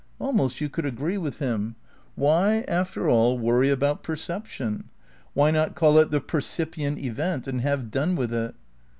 Almost you could agree with him. Why, after all, worry about perception? Why not call it the percipient event and have done with if?